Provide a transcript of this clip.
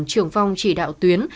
trưởng phòng chỉ đạo tuyến